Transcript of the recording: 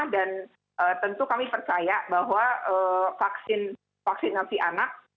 dan tentu kami percaya bahwa vaksinasi anak